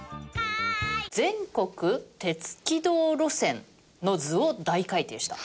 全国鉄軌道路線の図を大改訂した。